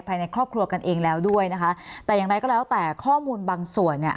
ภายในครอบครัวกันเองแล้วด้วยนะคะแต่อย่างไรก็แล้วแต่ข้อมูลบางส่วนเนี่ย